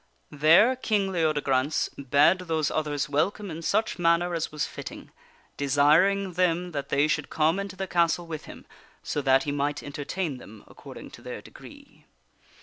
There King Leodegrance bade those others welcome in such manner as was fitting, desiring them that they should come into the castle with him so that he might entertain them according to their degree.